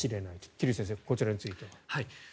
桐生先生、こちらについては。